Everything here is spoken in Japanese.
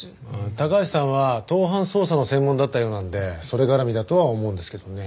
高橋さんは盗犯捜査の専門だったようなんでそれ絡みだとは思うんですけどね。